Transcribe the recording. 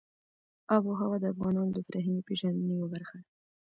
آب وهوا د افغانانو د فرهنګي پیژندنې یوه برخه ده.